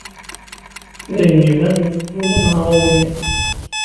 D ayen ibanen teqbel aneɛṛuḍ-nni.